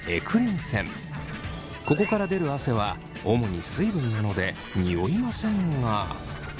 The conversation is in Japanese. ここから出る汗は主に水分なのでにおいませんが。